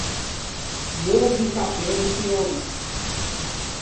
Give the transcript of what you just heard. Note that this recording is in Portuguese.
Morro do Chapéu do Piauí